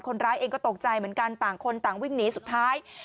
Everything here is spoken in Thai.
คนร้ายเองก็ตกใจเหมือนกันต่างคนต่างวิ่งหนีสุดท้าย